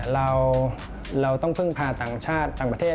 เราต้องพึ่งพาต่างชาติต่างประเทศ